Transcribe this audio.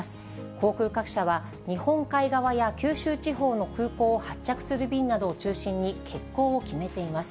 航空各社は、日本海側や九州地方の空港を発着する便などを中心に、欠航を決めています。